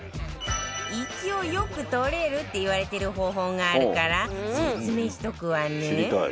一応よく取れるっていわれてる方法があるから説明しとくわね